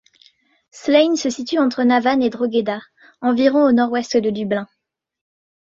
Slane se situe entre Navan et Drogheda, à environ au nord-ouest de Dublin.